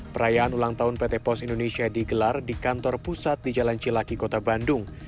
perayaan ulang tahun pt pos indonesia digelar di kantor pusat di jalan cilaki kota bandung